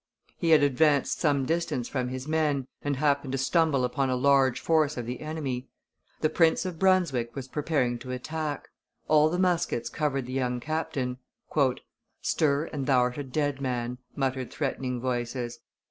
He had advanced some distance from his men, and happened to stumble upon a large force of the enemy. The Prince of Brunswick was preparing to attack. All the muskets covered the young captain. "Stir, and thou'rt a dead man," muttered threatening voices.